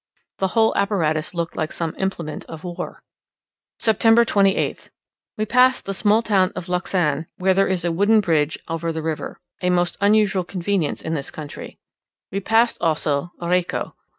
The whole apparatus looked like some implement of war. September 28th. We passed the small town of Luxan where there is a wooden bridge over the river a most unusual convenience in this country. We passed also Areco.